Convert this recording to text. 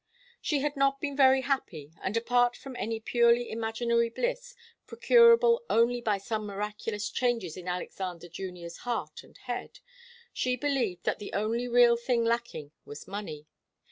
She had not been very happy, and apart from any purely imaginary bliss, procurable only by some miraculous changes in Alexander Junior's heart and head, she believed that the only real thing lacking was money.